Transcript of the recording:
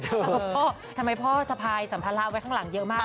ทำไมพ่อสะพายสัมภาษณ์เล่าไว้ข้างหลังเยอะมากเลย